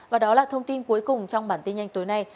và đó là thông tin cuối cùng trong bản tin nhanh tối nay